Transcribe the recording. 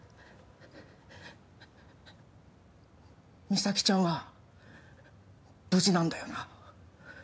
実咲ちゃんは無事なんだよな？